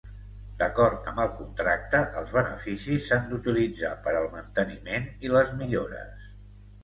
D'acord amb el contracte, els beneficis s'han d'utilitzar per al manteniment i les millores.